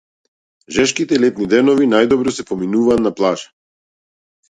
Жешките летни денови најдобро се поминуваат на плажа.